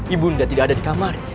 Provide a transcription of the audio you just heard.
ibu nda tidak ada di kamar